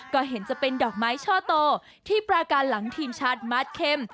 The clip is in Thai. ก็เห็นจะเป็นดอกไม้ช่อโตที่ประการหลังทีมชาติมาสเข้ม